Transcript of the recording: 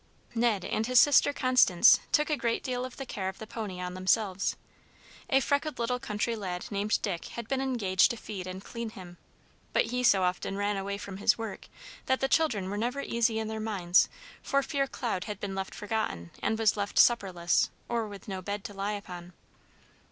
Ned and his sister Constance took a great deal of the care of the pony on themselves. A freckled little country lad named Dick had been engaged to feed and clean him; but he so often ran away from his work that the children were never easy in their minds for fear lest Cloud had been forgotten and was left supperless or with no bed to lie upon.